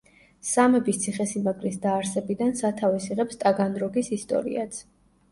სამების ციხესიმაგრის დაარსებიდან სათავეს იღებს ტაგანროგის ისტორიაც.